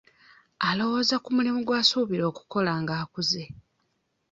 Alowooza ku mirimu gy'asuubira okukola nga akuzze.